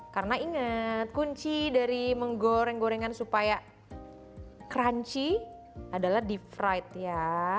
karena inget kunci dari menggoreng gorengan supaya crunchy adalah deep fried ya